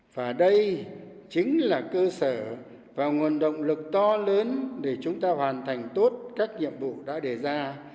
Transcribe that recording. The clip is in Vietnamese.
và đây chính là cơ sở và nguồn động lực to lớn để chúng ta hoàn thành tốt các nhiệm vụ đã đề ra